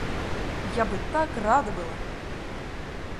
Я бы так рада была!